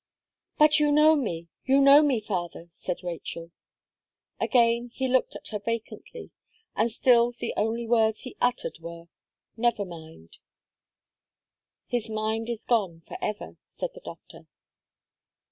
"But you know me you know me, father!" said Rachel. Again, he looked at her vacantly, and still the only words he uttered were, "Never mind." "His mind is gone for ever," said the doctor.